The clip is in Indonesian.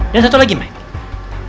dan satu lagi mike